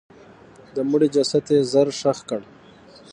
د مړي جسد یې ژر ښخ کړ.